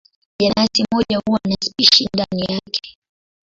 Jenasi moja huwa na spishi ndani yake.